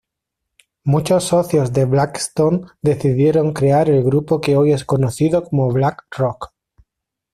Muchos socios de Blackstone decidieron crear el grupo que hoy es conocido como BlackRock.